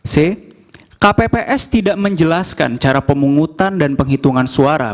c kpps tidak menjelaskan cara pemungutan dan penghitungan suara